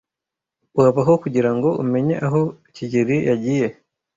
Wabaho kugirango umenye aho kigeli yagiye?